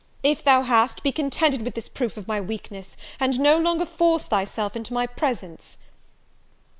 if thou hast, be contented with this proof of my weakness, and no longer force thyself into my presence!"